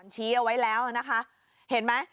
ชี้เอาไว้แล้วนะคะเห็นไหม